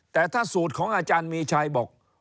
แต่ถ้าสูตรของอาจารย์มีชัยบอก